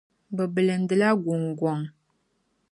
Bɛ bilindi la guŋguŋ.